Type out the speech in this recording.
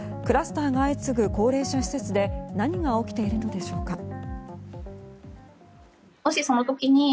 クラスターが相次ぐ高齢者施設で何が起きているのでしょうか。